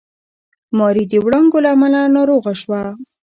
ماري د وړانګو له امله ناروغه شوه.